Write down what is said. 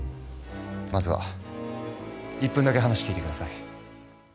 まずは１分だけ話聞いて下さい。